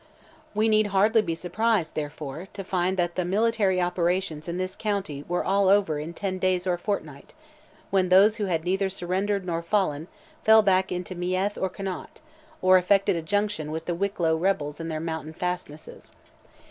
We need hardly be surprised, therefore, to find that the military operations in this county were all over in ten days or a fortnight; when those who had neither surrendered nor fallen, fell back into Meath or Connaught, or effected a junction with the Wicklow rebels in their mountain fastnesses.